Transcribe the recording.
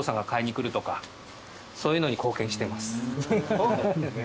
そうなんですね。